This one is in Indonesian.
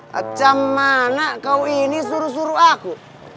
macam mana kau ini suruh suruh aku